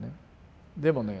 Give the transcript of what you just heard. でもね